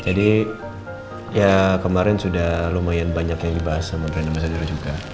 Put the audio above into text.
jadi ya kemarin sudah lumayan banyak yang dibahas sama brian ambassador juga